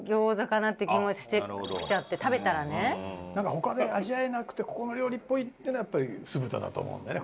他では味わえなくてここの料理っぽいっていうのはやっぱり酢豚だと思うんだよね。